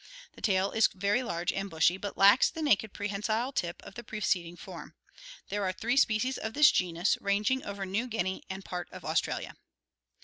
The tail is very large and bushy, but lacks the naked prehensile tip of the preceding form. There are three species of this genus, ranging over New Guinea and part of Australia.